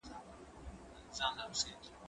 زه اوس ليکنې کوم؟!